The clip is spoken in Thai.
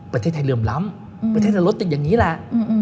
ประเทศไทยเหลื่อมล้ำประเทศจะลดเป็นอย่างนี้แหละ